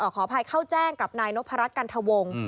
ขออภัยเข้าแจ้งกับนายนพรัชกันทวง